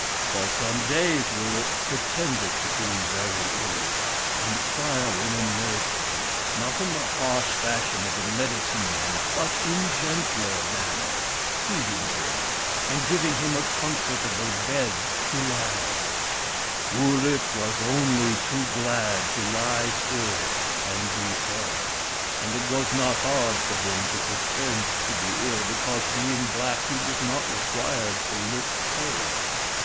For some days Wurip pretended to be very ill, and the Fire Women nursed him — not in the harsh fashion of the medicine men, but in gentler manner, feeding him, and giving him a comfortable bed to WURIP, THE FIRE BRINGER 245 lie on. Wiirip was only too glad to lie still and be fed, and it was not hard for him to pretend to be ill, because, being black, he was not required to look pale.